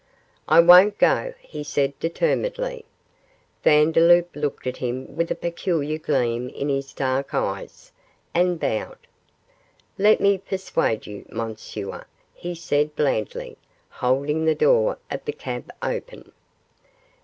'I won't go,' he said, determinedly. Vandeloup looked at him with a peculiar gleam in his dark eyes, and bowed. 'Let me persuade you, Monsieur,' he said, blandly, holding the door of the cab open.